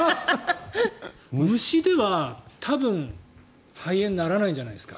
虫では多分、肺炎にならないんじゃないですか。